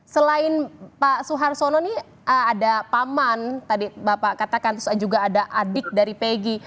selain pak suharsono nih ada paman tadi bapak katakan terus juga ada adik dari pegi